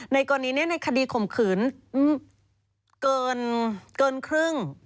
กรณีนี้ในคดีข่มขืนเกินครึ่ง